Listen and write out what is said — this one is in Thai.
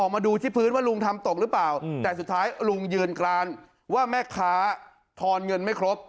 มาดูที่พื้นว่าลุงทำตกหรือเปล่าแต่สุดท้ายลุงยืนกรานว่าแม่ค้าทอนเงินไม่ครบ